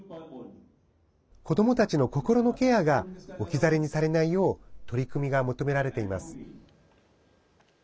子どもたちの心のケアが置き去りにされないよう取り組みが求められています。